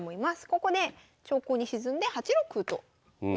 ここで長考に沈んで８六歩と打たれました。